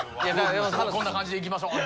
こんな感じでいきましょう！